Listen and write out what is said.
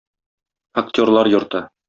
Актерлар йорты.